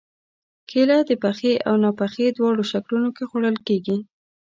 کېله د پخې او ناپخې دواړو شکلونو کې خوړل کېږي.